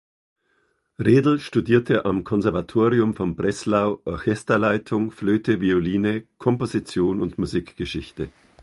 Redel studierte am Konservatorium von Breslau Orchesterleitung, Flöte, Violine, Komposition und Musikgeschichte.